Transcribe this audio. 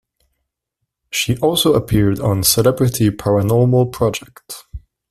She also appeared on "Celebrity Paranormal Project".